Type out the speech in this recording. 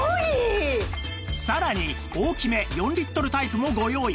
さらに大きめ４リットルタイプもご用意